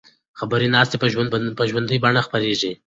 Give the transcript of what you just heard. خبري ناسته په ژوندۍ بڼه خپریږي.